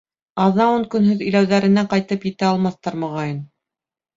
Аҙна-ун көнһөҙ иләүҙәренә ҡайтып етә алмаҫтар, моғайын.